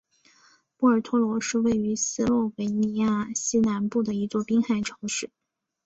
波尔托罗是位于斯洛维尼亚西南部的一座滨海城市。